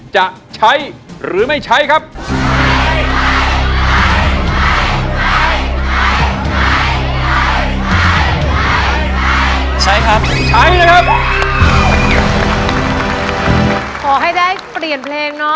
ปีลอย่าเปลี่ยน